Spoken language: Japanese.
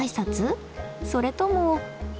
それとも。